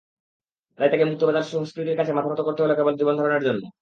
তাই তাকে মুক্তবাজার সংস্কৃতির কাছে মাথানত করতে হলো কেবল জীবন ধারণের জন্য।